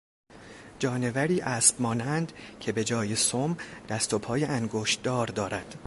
جانوری اسب مانند که به جای سم دست و پای انگشتدار دارد